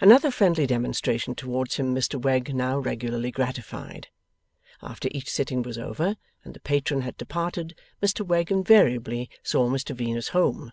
Another friendly demonstration towards him Mr Wegg now regularly gratified. After each sitting was over, and the patron had departed, Mr Wegg invariably saw Mr Venus home.